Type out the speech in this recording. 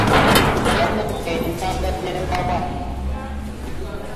Era nammwe y'entanda gye mbawa.